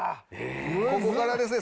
ここからですね